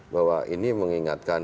bahwa ini mengingatkan